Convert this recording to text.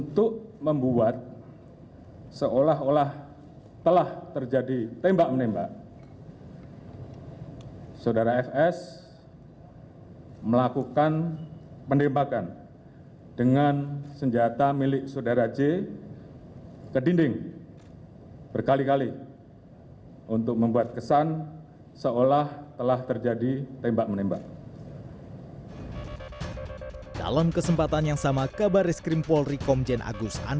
tim kusus menemukan bahwa peristiwa tembak menembak seperti yang dilaporkan awal